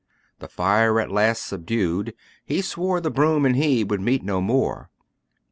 The fire at last subdued, he swore The broom and he would meet no more.